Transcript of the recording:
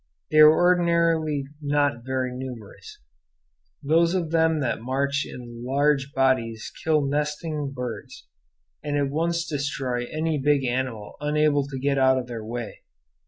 They are ordinarily not very numerous. Those of them that march in large bodies kill nestling birds, and at once destroy any big animal unable to get out of their way.